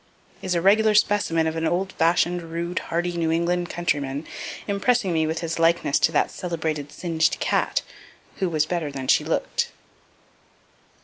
Is a regular specimen of an old fashion'd, rude, hearty, New England countryman, impressing me with his likeness to that celebrated singed cat, who was better than she look'd.